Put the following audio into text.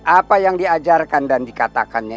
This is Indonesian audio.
apa yang diajarkan dan dikatakannya